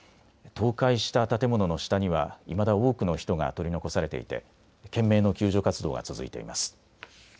倒壊した建物の下にはいまだ多くの人が取り残されていて懸命の救助活動が続いています。